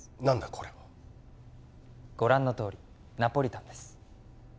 これはご覧のとおりナポリタンです